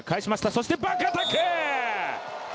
そして、バックアタック！